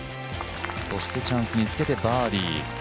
そしてチャンスにつけてバーディー。